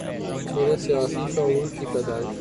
میرے سیاسی شعور کی پیدائش